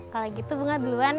kalau gitu bunga duluan ya